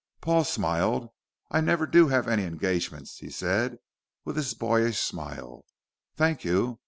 Paul smiled. "I never do have any engagements," he said with his boyish smile, "thank you.